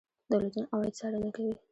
دولتونه عواید څارنه کوي.